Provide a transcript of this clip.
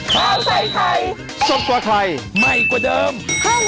ข้าวไทยไทยดิ้นกว่าไทยใหม่กว่าเดิมเบลอ